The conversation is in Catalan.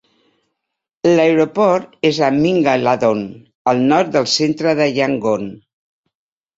L'aeroport és a Mingaladon, al nord del centre de Yangon.